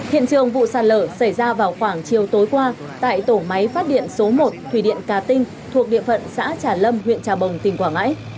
hiện trường vụ sạt lở xảy ra vào khoảng chiều tối qua tại tổ máy phát điện số một thủy điện cà tinh thuộc địa phận xã trà lâm huyện trà bồng tỉnh quảng ngãi